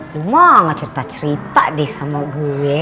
lu mau ngecerita cerita deh sama gue